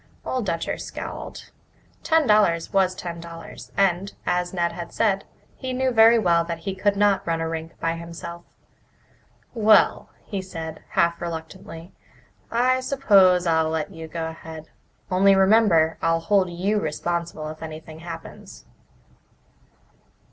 Old Dutcher scowled. Ten dollars was ten dollars and, as Ned had said, he knew very well that he could not run a rink by himself. "Well," he said, half reluctantly, "I suppose I'll let you go ahead. Only remember I'll hold you responsible if anything happens."